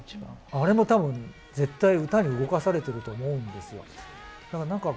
あれも絶対、歌に動かされていると思うんですよ。